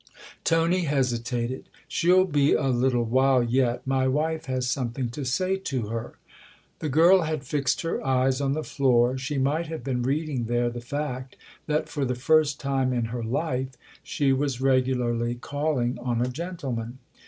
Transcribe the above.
Tony hesitated. " She'll be a little while yet my wife has something to say to her." 92 THE OTHER HOUSE The girl had fixed her eyes on the floor ; she might have been reading there the fact that for the first time in her life she was regularly calling on a gentleman.